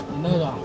đến nơi rồi